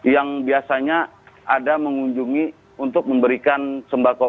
yang biasanya ada mengunjungi untuk memberikan sembako